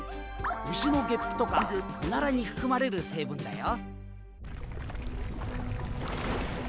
牛のゲップとかオナラに含まれる成分だよ。